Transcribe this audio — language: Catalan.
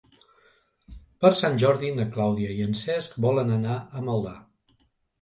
Per Sant Jordi na Clàudia i en Cesc volen anar a Maldà.